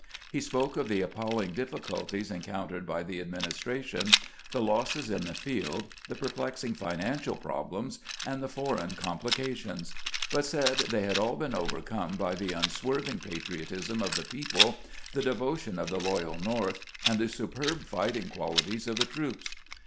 He spoke of the appalling difficulties encountered by the adminis tration, the losses in the field, the perplexing financial problems, and the foreign complications ; but said they had all been overcome by the unswerving patriotism of the people, the devotion of the loyal North, and the superb fighting qualities of the troops.